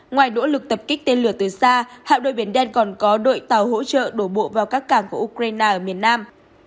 ngoài nỗ lực tập kích tên lửa từ xa hạ đội biển đen còn có đội tàu hỗ trợ đổ bộ vào các cảng của ukraine ở miền nam